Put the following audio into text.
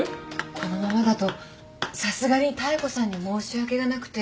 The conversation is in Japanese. このままだとさすがに妙子さんに申し訳がなくて。